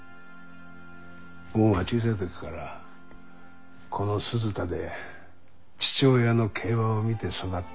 ボンは小さい時からこの鈴田で父親の競馬を見て育った。